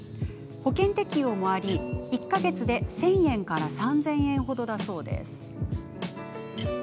保険適用もあり、１か月で１０００円から３０００円程といいます。